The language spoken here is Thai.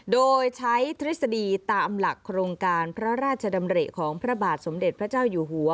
โดยใช้ทฤษฎีตามหลักโครงการพระราชดำริของพระบาทสมเด็จพระเจ้าอยู่หัว